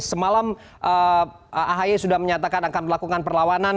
semalam ahy sudah menyatakan akan melakukan perlawanan